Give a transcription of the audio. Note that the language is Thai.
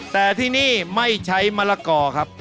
แต่ที่นี่ไม่ใช้มะละกอครับ